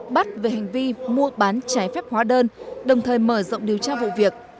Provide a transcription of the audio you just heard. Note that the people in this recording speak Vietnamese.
bắt về hành vi mua bán trái phép hóa đơn đồng thời mở rộng điều tra vụ việc